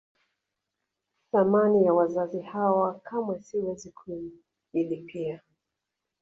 Thamani ya wazazi hawa kamwe siwezi kuilipa